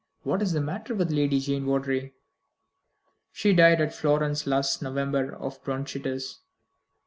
What is the matter with Lady Jane Vawdrey?" "She died at Florence last November of bronchitis.